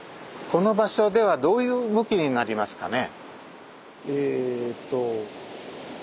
そのときはどういう動きになりますかね？